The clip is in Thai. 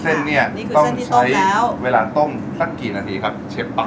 เส้นนี่คือเส้นที่ต้องแล้วเวลาต้มตั้งกี่นาทีครับเชฟป่ะ